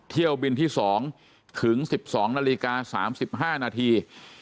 เที่ยวบินที่๒ถึง๑๒นาฬิกา๓๕นาที